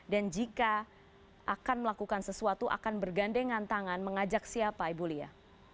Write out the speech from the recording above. dan jika akan melakukan sesuatu akan bergandengan tangan mengajak siapa ibu lia